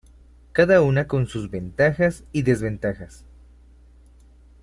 Cada una con sus ventajas y desventajas.